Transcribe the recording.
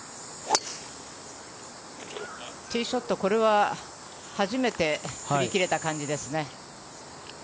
ティーショット、これは初めて振り切れた感じですね。